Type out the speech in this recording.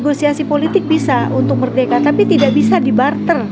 negosiasi politik bisa untuk merdeka tapi tidak bisa dibarter